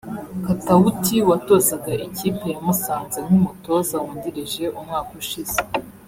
Katauti watozaga ikipe ya Musanze nk’umutoza wungirije umwaka ushize